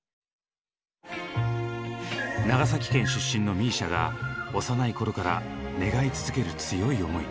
長崎県出身のＭＩＳＩＡが幼い頃から願い続ける強い思い。